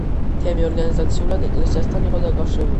თემი ორგანიზაციულად ეკლესიასთან იყო დაკავშირებული.